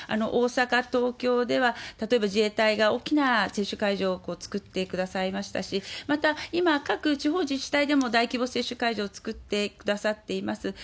大阪、東京では、例えば自衛隊が大きな接種会場を作ってくださいましたし、また、今、各地方自治体でも大規模接種会場を作ってくださっています。